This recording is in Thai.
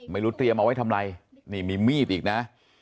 ไม่รู้เตรียมเอาไว้ทำไรนี่มีมีดอีกนะ